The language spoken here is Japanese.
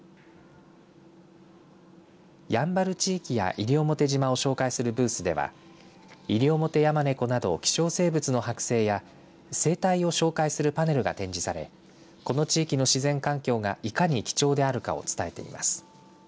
やんばる地域や西表島を紹介するブースではイリオモテヤマネコなど希少生物の剥製や生態を紹介するパネルが展示されこの地域の自然環境が、いかに貴重であるかを伝えています。